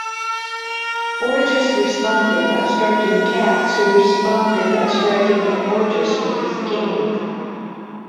Borges responded by striking Katz, who responded by striking at Borges with his cane.